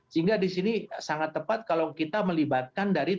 sehingga disini sangat tepat kalau kita melibatkan dari